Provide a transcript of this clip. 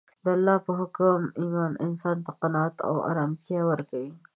د الله په حکم ایمان انسان ته قناعت او ارامتیا ورکوي